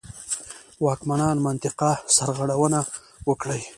واکمنان منطقه سرغړونه وکړي.